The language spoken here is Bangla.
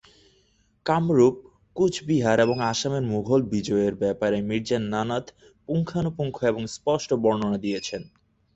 কামরূপ, কুচবিহার এবং আসামে মুঘল বিজয়ের ব্যপারে মীর্জা নাথান পুঙ্খানুপুঙ্খ এবং স্পষ্ট বর্ণনা দিয়েছেন।